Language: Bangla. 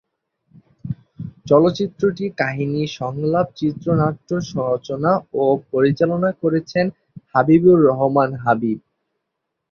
চলচ্চিত্রটি কাহিনী, সংলাপ, চিত্রনাট্য রচনা ও পরিচালনা করেছেন হাবিবুর রহমান হাবিব।